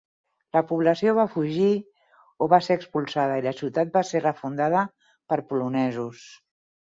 La població va fugir o va ser expulsada i la ciutat va ser refundada per polonesos.